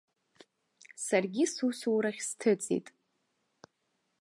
Саргьы сусурахь сҭыҵит.